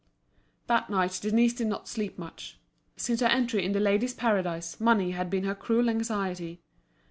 That night Denise did not sleep much. Since her entry in The Ladies' Paradise, money had been her cruel anxiety.